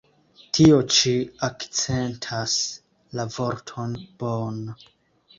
Tio ĉi akcentas la vorton "born".